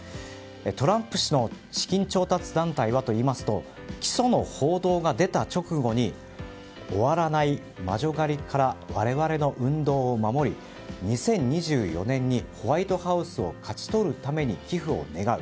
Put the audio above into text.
トランプ氏の資金調達団体はといいますと起訴の報道が出た直後に終わらない魔女狩りから我々の運動を守り２０２４年にホワイトハウスを勝ち取るために寄付を願う。